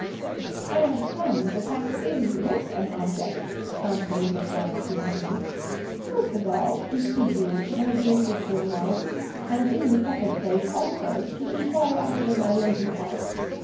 "I've come, the fact is, with an object!" promptly replied goody Liu; "(first of all) to see you, my dear sister in law; and, in the second place also, to inquire after my lady's health.